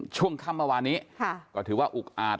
ช่วงค่ำเมื่อวานนี้ก็ถือว่าอุกอาจ